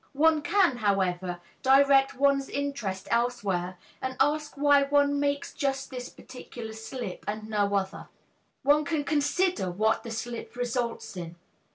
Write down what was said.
One can, however, direct one's interest elsewhere and ask why one makes just this particular slip and no other; one can consider what the slip results in.